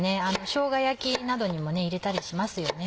しょうが焼きなどにも入れたりしますよね。